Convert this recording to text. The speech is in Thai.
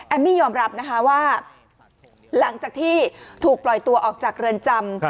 มี่ยอมรับนะคะว่าหลังจากที่ถูกปล่อยตัวออกจากเรือนจำ